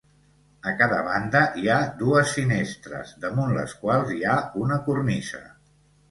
A cada banda hi ha dues finestres, damunt les quals hi ha una cornisa.